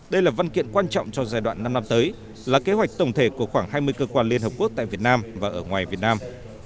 đây là văn kiện quan trọng cho giai đoạn năm năm tới là kế hoạch tổng thể của khoảng hai mươi cơ quan liên hợp quốc tại việt nam và ở ngoài việt nam